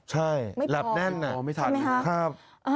ใช่หลับแน่นใช่ไหมครับอ๋อไม่ทัน